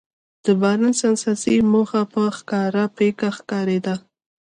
د بارنس اساسي موخه په ښکاره پيکه ښکارېده.